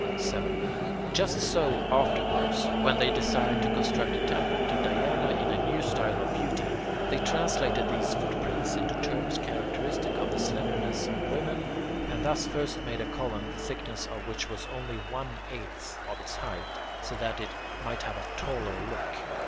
7. Just so afterwards, when they desired to construct a temple to Diana in a new style of beauty, they translated these footprints into terms characteristic of the slenderness of women, and thus first made a column the thickness of which was only one eighth of its height, so that it might have a taller look.